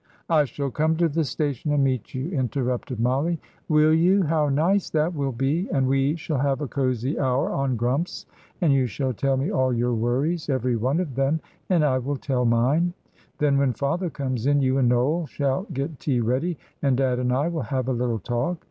"I shall come to the station and meet you," interrupted Mollie. "Will you? How nice that will be! And we shall have a cosy hour on Grumps, and you shall tell me all your worries every one of them; and I will tell mine. Then, when father comes in, you and Noel shall get tea ready, and dad and I will have a little talk.